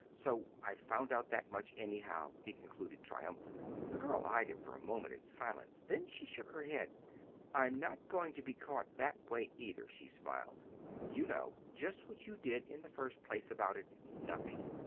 So I've found out that much, anyhow," he concluded triumphantly. The girl eyed him for a moment in silence; then she shook her head. "I'm not going to be caught that way, either," she smiled. "You know just what you did in the first place about it: nothing."